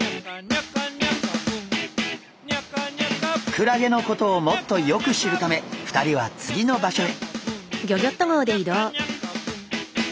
クラゲのことをもっとよく知るため２人は次の場所へ。